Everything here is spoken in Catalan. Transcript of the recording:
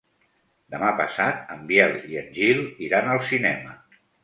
Demà passat en Biel i en Gil iran al cinema.